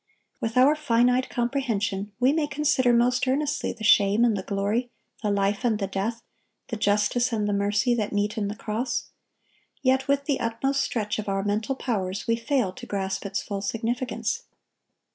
With our finite comprehension we may consider most earnestly the shame and the glory, the life and the death, the justice and the mercy, that meet in the cross; yet with the utmost stretch of our mental powers we fail to grasp its full significance.